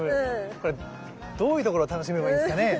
これどういうところを楽しめばいいんですかね？